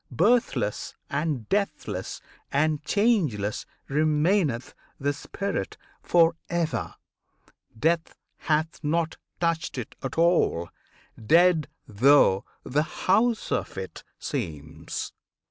Birthless and deathless and changeless remaineth the spirit for ever; Death hath not touched it at all, dead though the house of it seems!